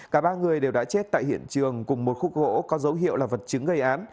cả ba người đều đã chết tại hiện trường cùng một khúc gỗ có dấu hiệu là vật chứng gây án